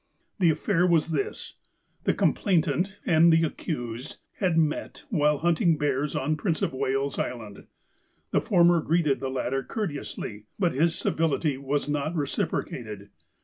"The aff'air was this: — The complainant, and the accused, had met while hunting bears on Prince of Wales Island. The former greeted the latter courteously, but his civility was not reciprocated.